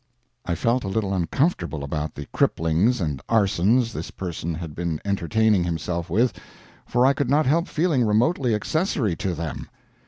I felt a little uncomfortable about the cripplings and arsons this person had been entertaining himself with, for I could not help feeling remotely accessory to them.